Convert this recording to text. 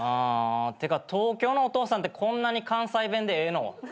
ってか東京のお父さんってこんなに関西弁でええの？